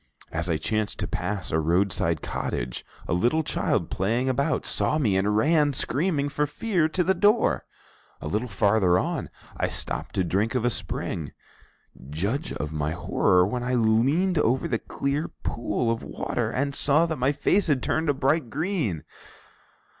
As I chanced to pass a roadside cottage, a little child playing about saw me and ran, screaming for fear, to the door. A little farther on, I stopped to drink of a spring. Judge of my horror when I leaned over the clear pool of water and saw that my face had turned a bright green!